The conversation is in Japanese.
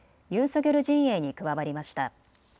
ソギョル陣営に加わりました。